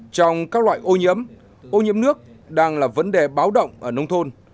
trong các loại ô nhiễm ô nhiễm nước đang là vấn đề báo động ở nông thôn